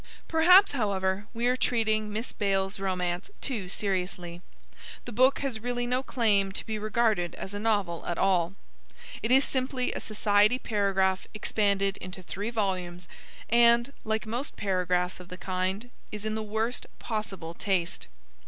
Perhaps, however, we are treating Miss Bayle's Romance too seriously. The book has really no claim to be regarded as a novel at all. It is simply a society paragraph expanded into three volumes and, like most paragraphs of the kind, is in the worst possible taste.